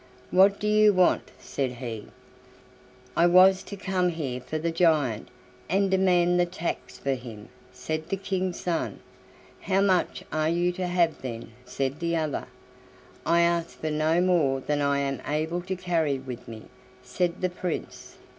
"What do you want?" said he. "I was to come here for the giant, and demand the tax for him," said the King's son. "How much are you to have then?" said the other. "I ask for no more than I am able to carry with me," said the Prince.